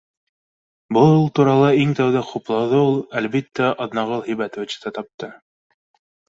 Был турала иң тәүҙә хуплауҙы ул, әлбиттә, Аҙнағол һибәтовичта тапты